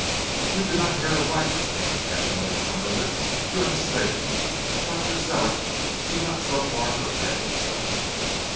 "'You did not hear aright,' came passionately from her lips. 'You are mistaken. Dr. Sellick could not so far forget himself.'